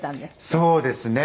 そうですね。